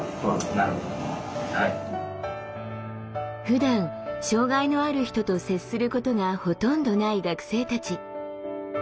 ふだん障害のある人と接することがほとんどない学生たち。